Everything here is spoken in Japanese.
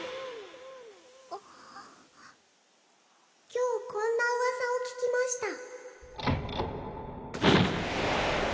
「今日こんなうわさを聞きました」